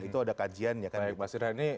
itu ada kajian ya kan baik mas irhan ini